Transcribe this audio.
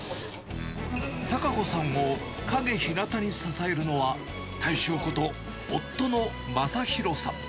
多賀子さんを陰ひなたに支えるのは、大将こと、夫の正弘さん。